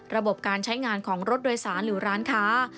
ระบบการใช้งานของรถโดยสารหรือร้านค้า